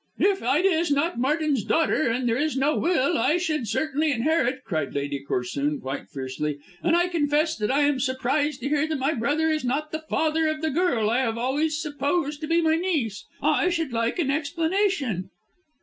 "If Ida is not Martin's daughter, and there is no will, I should certainly inherit," cried Lady Corsoon quite fiercely. "And I confess that I am surprised to hear that my brother is not the father of the girl I have always supposed to be my niece. I should like an explanation."